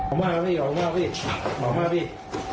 ออกมาแล้วพี่ออกมาแล้วพี่